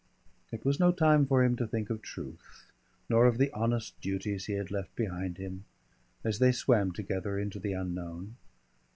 It was no time for him to think of truth, nor of the honest duties he had left behind him, as they swam together into the unknown.